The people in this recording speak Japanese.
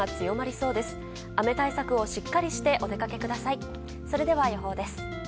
それでは、予報です。